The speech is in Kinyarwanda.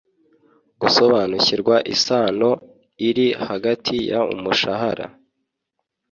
Gusobanukirwa isano iri hagati y umushahara